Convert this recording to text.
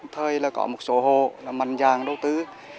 thời có một số hồ mạnh dàng đầu tư